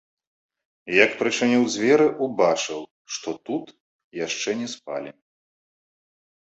Як прычыніў дзверы, убачыў, што тут яшчэ не спалі.